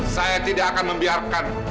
saya tidak akan membiarkan